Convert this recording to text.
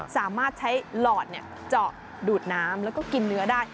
สามารถใช้หลอดเจาะดูดน้ำแล้วก็กินเนื้อได้